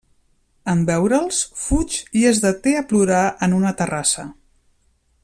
En veure'ls, fuig i es deté a plorar en una terrassa.